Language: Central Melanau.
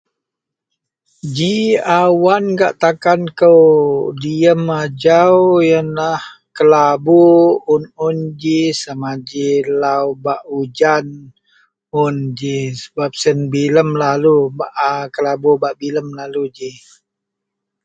Ji awan gak takan kou diyem ajau yenlah kelabu un-un ji sama ji lau bak ujan un ji sebab siyen bilem lalu baa kelabu bak bilem lalu ji.